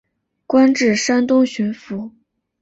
官至山东巡抚。